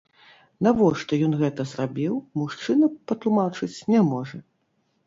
Навошта ён гэта зрабіў, мужчына патлумачыць не можа.